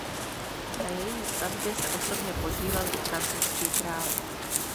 Na její stavbě se osobně podílel i francouzský král.